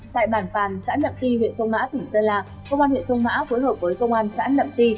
tại bản phàn xã nậm ti huyện sông mã tỉnh sơn la công an huyện sông mã phối hợp với công an xã nậm ti